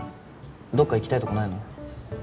どっか行きたいとこないの？